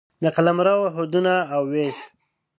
د قلمرو حدونه او وېش